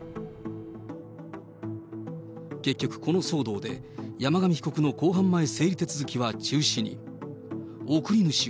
結局、この騒動で、山上被告の公判前整理手続きは中止に。